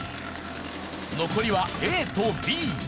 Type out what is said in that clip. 残りはＡとＢ。